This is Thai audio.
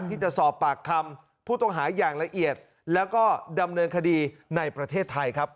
ที่จะสอบปากคำผู้ต้องหาอย่างละเอียดแล้วก็ดำเนินคดีในประเทศไทยครับ